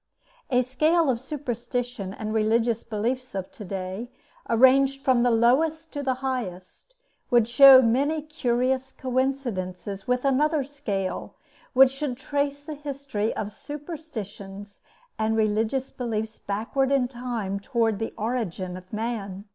A scale of superstition and religious beliefs of to day, arranged from the lowest to the highest, would show many curious coincidences with another scale, which should trace the history of superstitions and religious beliefs backward in time toward the origin of man.